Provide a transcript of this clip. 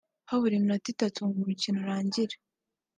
Habura iminota itatu ngo umukino urangire